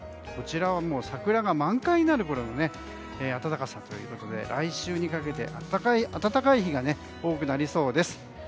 こちらは桜が満開になるころの暖かさということで来週にかけて暖かい日が多くなりそうです。